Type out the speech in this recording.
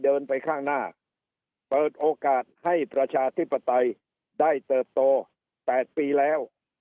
เดินไปข้างหน้าเปิดโอกาสให้ประชาธิปไตยได้เติบโต๘ปีแล้ว